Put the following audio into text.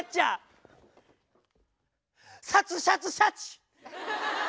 サツシャツシャチ。